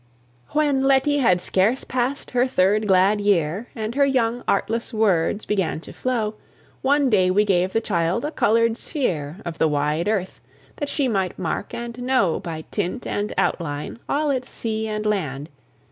(1808 79.) When Letty had scarce pass'd her third glad year, And her young, artless words began to flow, One day we gave the child a colour'd sphere Of the wide earth, that she might mark and know, By tint and outline, all its sea and land.